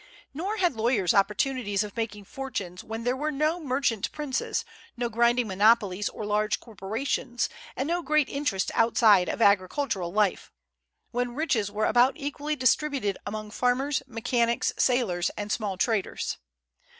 Nor had lawyers opportunities of making fortunes when there were no merchant princes, no grinding monopolies or large corporations, and no great interest outside of agricultural life; when riches were about equally distributed among farmers, mechanics, sailors, and small traders.